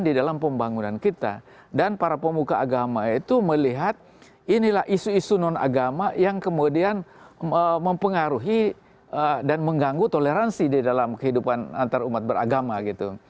dan para pemuka agama itu melihat inilah isu isu non agama yang kemudian mempengaruhi dan mengganggu toleransi di dalam kehidupan antarumat beragama gitu